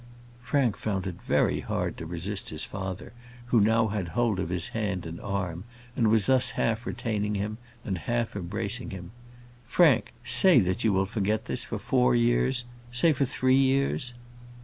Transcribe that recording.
Frank found it very hard to resist his father, who now had hold of his hand and arm, and was thus half retaining him, and half embracing him. "Frank, say that you will forget this for four years say for three years."